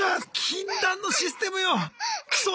禁断のシステムよ！